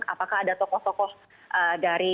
apakah ada tokoh tokoh dari